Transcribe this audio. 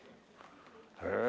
へえ。